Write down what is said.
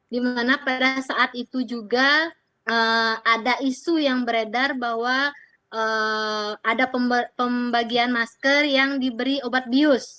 dimana pada saat itu juga ada isu yang beredar bahwa ada pembagian masker yang diberi obat bius